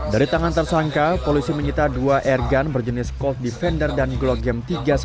dari tangan tersangka polisi menyita dua airgun berjenis colt defender dan glock m tiga ratus sembilan belas